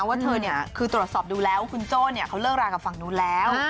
ว่าเธอคือตรวจสอบดูแล้วคุณโจ้เขาเลิกรากับฝั่งนู้นแล้ว